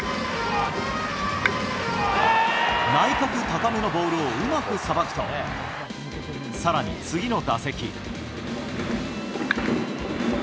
内角高めのボールをうまくさばくと、さらに、次の打席。